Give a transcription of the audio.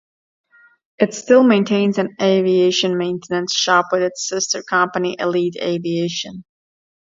It still maintains an aviation maintenance shop with its sister company Elite Aviation.